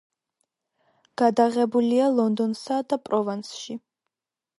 გადაღებულია ლონდონსა და პროვანსში.